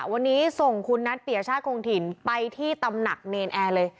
วันนี้ส่งคุณนัทเปียชาติคงถิ่นไปที่ตำหนักเนรนแอร์เลย